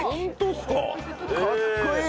かっこいい！